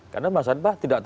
karena mas adbah